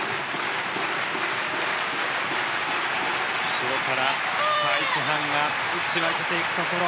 後ろからカ・イチハンが打ち分けていくところ。